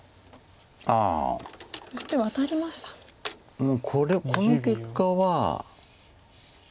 うんこれこの結果は。